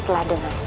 kalu memang benar